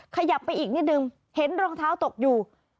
ขยับไปอีกนิดนึงเห็นรองเท้าตกอยู่